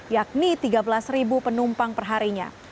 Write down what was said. yakni tiga belas penumpang perharinya